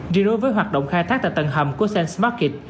riêng đối với hoạt động khai thác tại tầng hầm của xe market